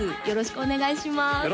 よろしくお願いします